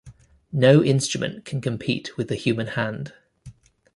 No instrument can compete with the human hand.